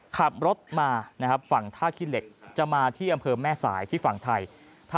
ขับรถมานะครับฝั่งท่าขี้เหล็กจะมาที่อำเภอแม่สายที่ฝั่งไทย